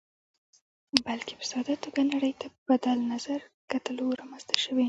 بلکې په ساده توګه نړۍ ته په بدل نظر کتلو رامنځته شوې.